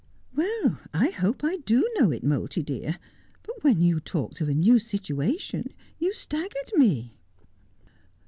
' Well, I hope I do know it, Moulty dear ; hut when you talked of a new situation you staggered me.'